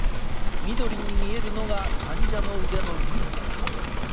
緑に見えるのが患者の腕のリンパだ。